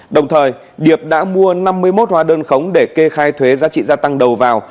đồng thời điệp đã mua năm mươi một hóa đơn khống để kê khai thuế giá trị gia tăng đầu vào